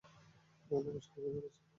নমস্কার, কে বলছেন?